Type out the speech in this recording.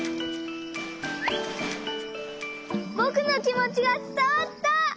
ぼくのきもちがつたわった！